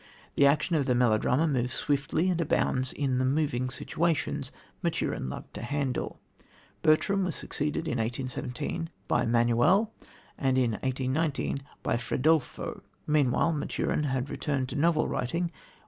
The action of the melodrama moves swiftly, and abounds in the "moving situations" Maturin loved to handle. Bertram was succeeded in 1817 by Manuel, and in 1819 by Fredolfo. Meanwhile Maturin had returned to novel writing.